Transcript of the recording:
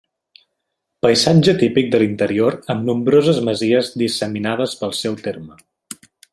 Paisatge típic de l'interior amb nombroses masies disseminades pel seu terme.